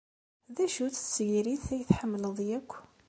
D acu-tt tsegrit ay tḥemmleḍ akk?